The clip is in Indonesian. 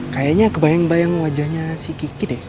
kayaknya kebayang bayang wajahnya si kiki deh